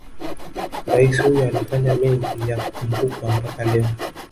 Rais huyo alifanya mengi ya kukumbukwa mpaka leo